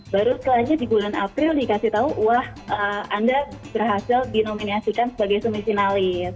baru setelahnya di bulan april dikasih tahu wah anda berhasil dinominasikan sebagai semisinalis